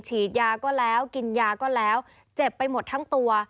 ฉีดฟิลเลอร์ก็แล้วกินฟิลเลอร์ก็แล้วเจ็บไปหมดทั้งตัว